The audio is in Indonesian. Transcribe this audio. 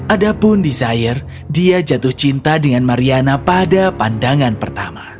adapun desire dia jatuh cinta dengan mariana pada pandangan pertama